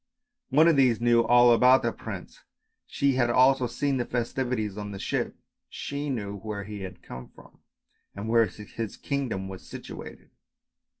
One of these knew all about the prince, she had also seen the festivities on the ship; she knew where he came from and where his kingdom was situated.